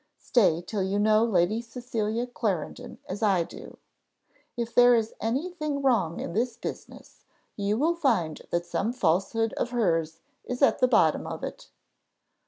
Stay till you know Lady Cecilia Clarendon as I do. If there is any thing wrong in this business, you will find that some falsehood of hers is at the bottom of it."